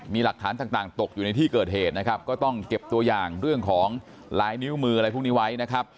มีหลักฐานต่างตกอยู่ในที่เกิดเหตุนะครับก็ต้องเก็บตัวอย่างเรื่องของลายนิ้วมืออะไรพวกนี้ไว้นะครับ